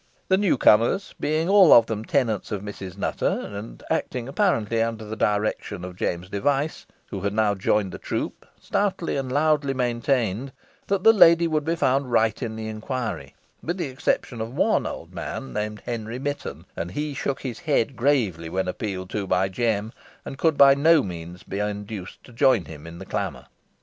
The new comers, being all of them tenants of Mrs. Nutter, and acting apparently under the directions of James Device, who had now joined the troop, stoutly and loudly maintained that the lady would be found right in the inquiry, with the exception of one old man named Henry Mitton; and he shook his head gravely when appealed to by Jem, and could by no efforts be induced to join him in the clamour.